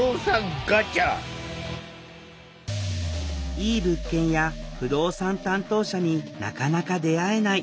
いい物件や不動産担当者になかなか出会えない。